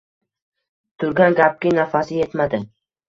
Turgan gapki, nafasi yetmadi.